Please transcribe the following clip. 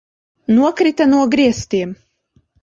Nokrita no griestiem!